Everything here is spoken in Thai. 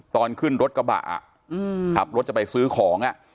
ตอนขึ้นรถกระบะอ่ะอืมขับรถจะไปซื้อของอ่ะ